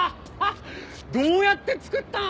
どうやって造ったん？